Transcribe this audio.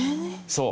そう。